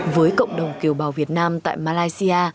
với cộng đồng kiều bào việt nam tại malaysia